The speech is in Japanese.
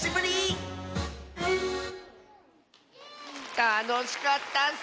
たのしかったッス！